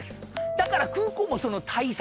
だから空港もその対策